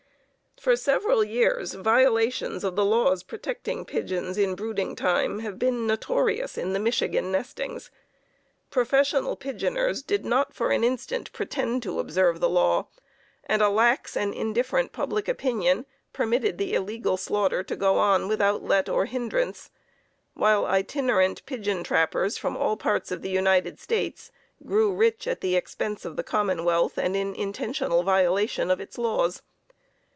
For several years violations of the laws protecting pigeons in brooding time have been notorious in the Michigan nestings. Professional "pigeoners" did not for an instant pretend to observe the law, and a lax and indifferent public opinion permitted the illegal slaughter to go on without let or hindrance, while itinerant pigeon trappers from all parts of the United States, grew rich at the expense of the commonwealth, and in intentional violation of its laws.